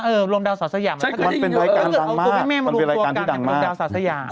เออรวมดาวสาวสยามมันเป็นรายการดังมากมันเป็นรายการที่ดังมากมันเป็นรายการที่ดังมาก